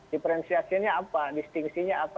diferensiasinya apa distingsinya apa